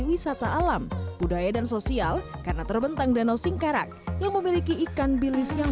wisata alam budaya dan sosial karena terbentang danau singkarak yang memiliki ikan bilis yang